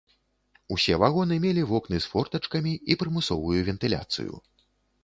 Усе вагоны мелі вокны з фортачкамі і прымусовую вентыляцыю.